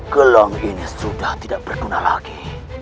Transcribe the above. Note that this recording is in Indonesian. gelong ini sudah tidak berguna lagi